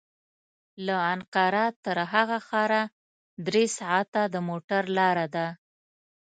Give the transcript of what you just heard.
له انقره تر هغه ښاره درې ساعته د موټر لاره ده.